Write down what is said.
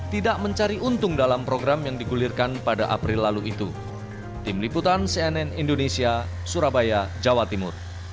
tidak mencari untung dalam program yang digulirkan pada april lalu itu